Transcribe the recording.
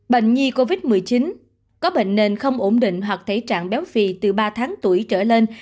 bệnh nhi covid một mươi chín có bệnh nền không ổn định hoặc thể trạng béo phì từ ba tháng tuổi trở lên